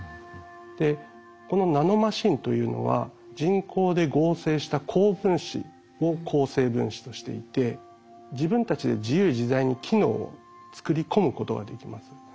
でこのナノマシンというのは人工で合成した高分子を構成分子としていて自分たちで自由自在に機能を作り込むことができます。